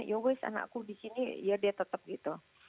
ya wis anakku di sini ya dia tetap gitu